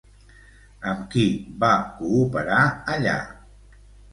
Amb qui va cooperar allà?